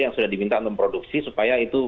yang sudah diminta untuk memproduksi supaya itu